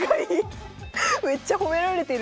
めっちゃ褒められてる！